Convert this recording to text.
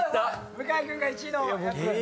向井君が１位のやつ。